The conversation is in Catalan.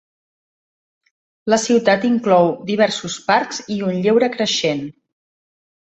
La ciutat inclou diversos parcs i un lleure creixent.